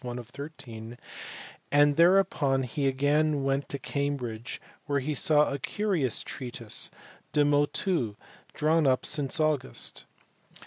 1 of 13; and thereupon he again went to Cambridge where he saw "a curious treatise, De Motu, drawn up since August."